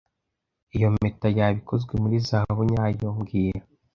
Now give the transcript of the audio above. Iyo mpeta yaba ikozwe muri zahabu nyayo mbwira